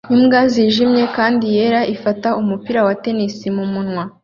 Imbwa yijimye kandi yera ifata umupira wa tennis mumunwa